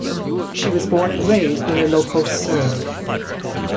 She was born and raised in Ilocos Sur.